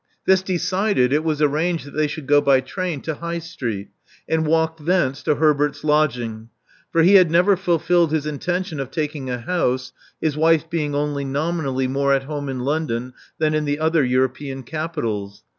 This decided, it was arranged that they should go by train to High Street, and walk thence to Herbert's lodging: for he had never fulfilled his intention of taking a house, his wife being only nominally more at home in London than in the other European capitals.